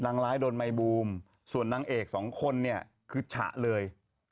ร้ายโดนไมบูมส่วนนางเอกสองคนเนี่ยคือฉะเลย